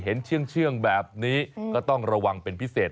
เห็นเชื่องแบบนี้ก็ต้องระวังเป็นพิเศษ